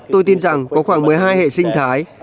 tôi tin rằng có khoảng một mươi hai hệ sinh thái